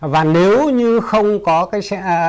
và nếu như không có cái